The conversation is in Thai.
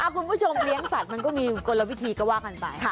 คุณผู้ชมเลี้ยงสัตว์มันก็มีกลวิธีก็ว่ากันไป